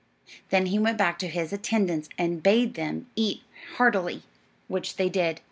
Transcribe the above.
Then he went back to his attendants and bade them eat heartily, which they did.